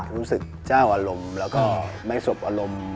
รู้สึกเจ้าอารมณ์แล้วก็ไม่สบอารมณ์